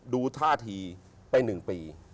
ดูท่าทีไป๑ปี